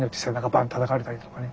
バンッてたたかれたりとかね。